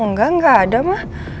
enggak enggak ada ma